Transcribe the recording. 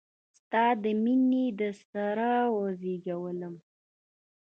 ستا میینې د سره وزیږولم